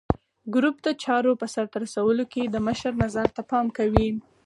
ګروپ د چارو په سرته رسولو کې د مشر نظر ته پام کوي.